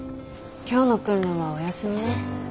今日の訓練はお休みね。